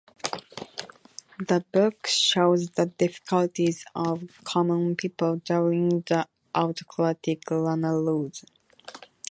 The book shows the difficulties of common people during the autocratic Rana rule.